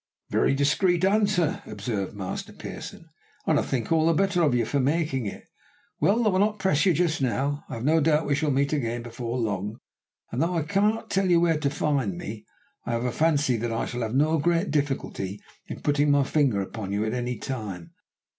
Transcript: "A very discreet answer," observed Master Pearson, "and I think all the better of you for making it. Well, I will not press you just now. I have no doubt we shall meet again before long, and though I cannot tell you where to find me, I have a fancy that I shall have no great difficulty in putting my finger upon you at any time.